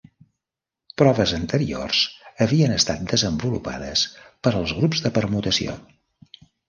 Proves anteriors havien estat desenvolupades per als grups de permutació.